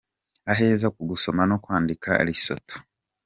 Aheza ku gusoma no kwandika : Lesotho.